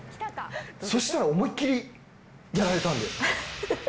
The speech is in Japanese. そしたら思いっきりやられたんだよ。